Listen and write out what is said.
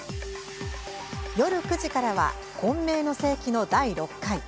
夜９時からは「混迷の世紀」の第６回。